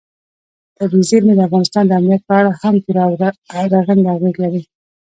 طبیعي زیرمې د افغانستان د امنیت په اړه هم پوره او رغنده اغېز لري.